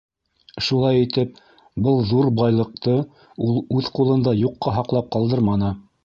Шулай итеп, был ҙур байлыҡты ул үҙ ҡулында юҡҡа һаҡлап ҡалдырманы.